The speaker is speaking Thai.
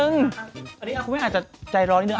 นี้นิดนึง